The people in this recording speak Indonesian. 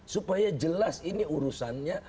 supaya jelas ini urusannya